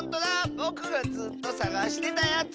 ぼくがずっとさがしてたやつ！